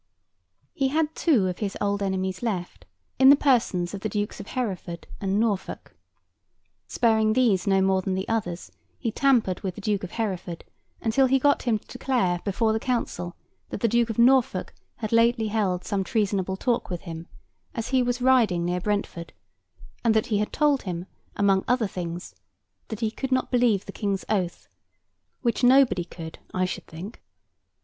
He had two of his old enemies left, in the persons of the Dukes of Hereford and Norfolk. Sparing these no more than the others, he tampered with the Duke of Hereford until he got him to declare before the Council that the Duke of Norfolk had lately held some treasonable talk with him, as he was riding near Brentford; and that he had told him, among other things, that he could not believe the King's oath—which nobody could, I should think.